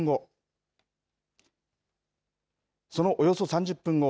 そのおよそ３０分後。